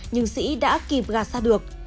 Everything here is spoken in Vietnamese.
nhưng sĩ đã kịp gạt ra được